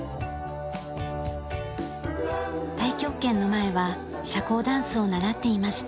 太極拳の前は社交ダンスを習っていました。